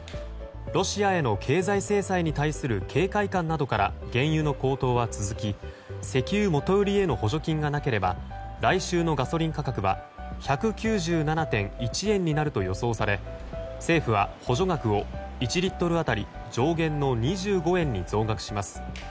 ロシアへの経済制裁に対する警戒感などから原油の高騰は続き石油元売りへの補助金がなければ来週のガソリン価格は１９７．１円になると予想され政府は補助額を１リットル当たり上限の２５円に増額します。